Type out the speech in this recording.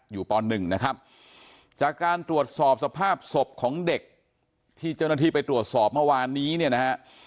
ป๑นะครับจากการตรวจสอบสภาพศพของเด็กที่เจ้าหน้าที่ไปตรวจสอบเมื่อวานนี้เนี่ยนะฮะ